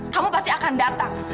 kamu pasti akan datang